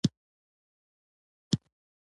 د سکرو لپاره دومره هڅې کول د ټوکې په څیر و.